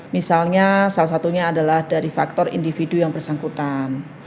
misalnya salah satunya adalah dari faktor individu yang bersangkutan